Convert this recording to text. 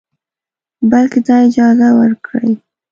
بلکې دا اجازه ورکړئ